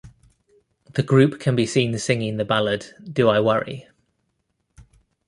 The group can be seen singing the ballad Do I Worry?